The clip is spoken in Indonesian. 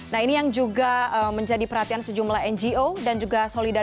nah ini yang juga menjadi perhatian sejumlah ngo